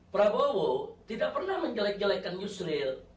prabowo tidak pernah menjelek jelekkan yusril